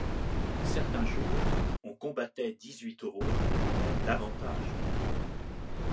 Certains jours, on combattait dix-huit taureaux ou même davantage.